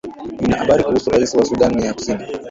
lina habari kuhusu rais wa sudan ya kusini